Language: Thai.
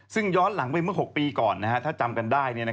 ซึ่งย้อนหลังไปเมื่อ๖ปีก่อนถ้าจำกันได้